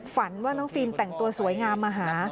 ฝันว่าน้องฟิล์มแต่งตัวสวยงามมาหา